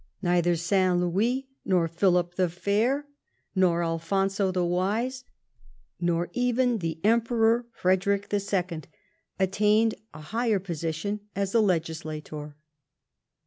Neither St. Louis, nor Philip the Fair, nor Alfonso the Wise, nor even the Emperor Frederick IL, attained a higher position as a legislator.